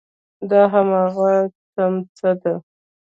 دا هماغه څمڅه ده.